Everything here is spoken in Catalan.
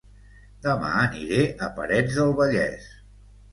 Dema aniré a Parets del Vallès